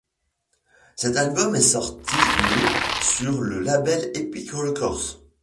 Cet album est sorti le sur le label Epic Records.